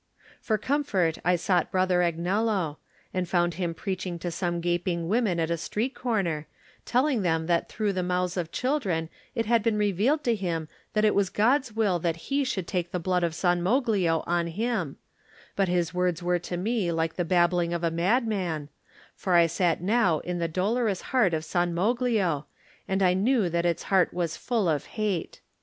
For comfort I sought Brother Agnello, and found him preaching to some gaping women at a street comer, telling them that through the mouths of children it had been revealed to him that it was God's will that he should take the blood of San Moglio on him, but his words were to me like the bab bling of a madman, for I sat now in the dolorous heart of San Moglio and I knew that its heart was full of hate.